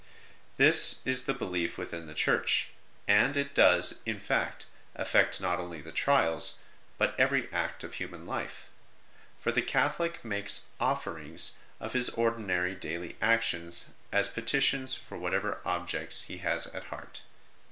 This is the belief within the Church, and it does, in fact, affect not only the trials, but every act of human life ; for the Catholic makes offer ings of his ordinary daily actions as petitions for whatever objects he has at heart.